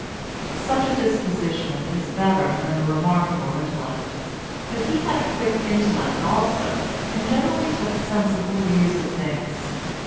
Such a disposition is better than a remarkable intellect. But he had a quick intellect also, and generally took sensible views of things.